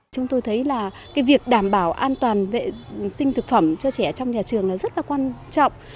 chúng tôi thấy là việc đảm bảo an toàn sinh thực phẩm cho trẻ trong nhà trường rất là quan trọng